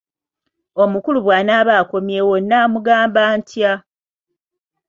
Omukulu bw'anaaba akomyewo naamugamba ntya?